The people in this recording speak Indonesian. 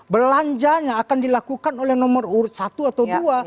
belanjanya akan dilakukan oleh nomor urut satu atau dua